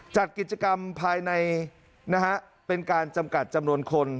จัดกิจกรรมภายในนะฮะเป็นการจำกัดจำนวนคน